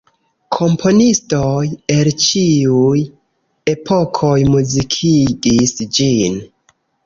Komponistoj el ĉiuj epokoj muzikigis ĝin.